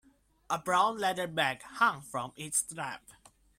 A brown leather bag hung from its strap.